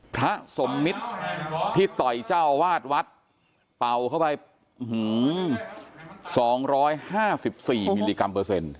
พระสมมิตรที่ต่อยเจ้าอาวาสวัดเป่าเข้าไป๒๕๔มิลลิกรัมเปอร์เซ็นต์